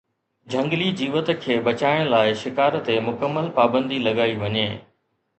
جهنگلي جيوت کي بچائڻ لاءِ شڪار تي مڪمل پابندي لڳائي وڃي